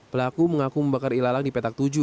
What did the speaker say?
pelaku mengaku membakar ilalang di petak tujuh